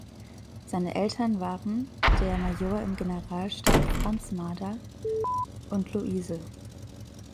Seine Eltern waren der Major im Generalstab Franz Mader und Luise.